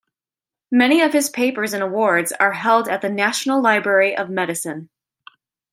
Many of his papers and awards are held at the National Library of Medicine.